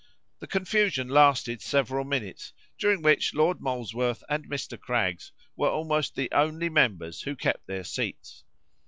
The confusion lasted several minutes, during which Lord Molesworth and Mr. Craggs were almost the only members who kept their seats.